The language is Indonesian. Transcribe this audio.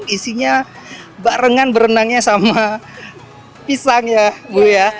isinya barengan berenangnya sama pisang ya bu ya